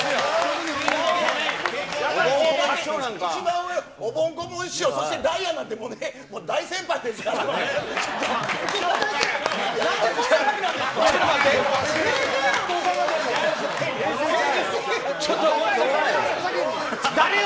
一番上、おぼん・こぼん師匠、そしてダイアンなんて、大先輩ですよ。